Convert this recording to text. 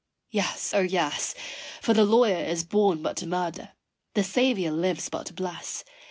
Yes, O yes! For the lawyer is born but to murder the Saviour lives but to bless.